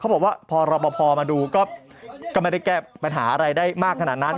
บอกว่าพอรอปภมาดูก็ไม่ได้แก้ปัญหาอะไรได้มากขนาดนั้น